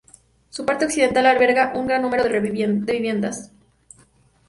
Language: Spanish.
Su parte occidental alberga un gran número de viviendas.